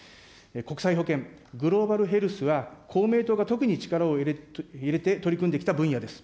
国際保健、グローバルヘルスは、公明党が特に力を入れて取り組んできた分野です。